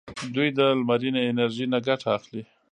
دوی د لمرینه انرژۍ نه ګټه اخلي.